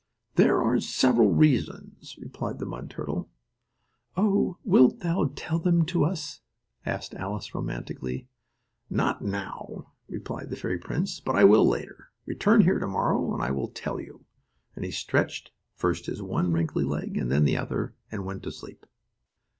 "There are several reasons," replied the mud turtle. "Oh, wilt thou tell them to us?" asked Alice, romantically. "Not now," replied the fairy prince, "but I will later. Return here to morrow and I will tell you," and he stretched first one wrinkly leg, and then the other, and went to sleep.